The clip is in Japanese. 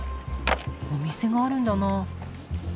お店があるんだな。